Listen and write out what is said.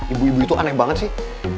ibu ibu itu aneh banget sih